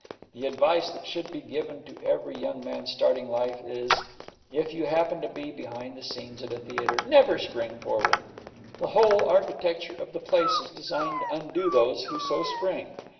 The advice that should be given to every young man starting life is if you happen to be behind the scenes at a theatre, never spring forward. The whole architecture of the place is designed to undo those who so spring.